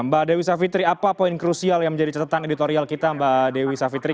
mbak dewi savitri apa poin krusial yang menjadi catatan editorial kita mbak dewi savitri